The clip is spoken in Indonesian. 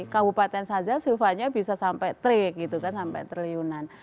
kabupaten saja silvanya bisa sampai trik gitu kan sampai triliunan